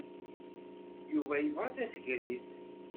Yuba yebɣa tasegrit.